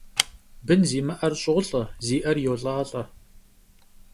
Bın zimı'er ş'olh'e, zi'er yolh'alh'e.